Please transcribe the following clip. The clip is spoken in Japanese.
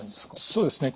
そうですね。